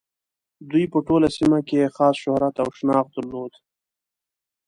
دوی په ټوله سیمه کې یې خاص شهرت او شناخت درلود.